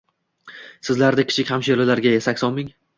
Sizlardek kichik hamshiralarga sakson ming